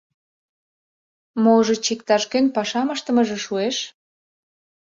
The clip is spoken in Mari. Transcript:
Можыч, иктаж-кӧн пашам ыштымыже шуэш?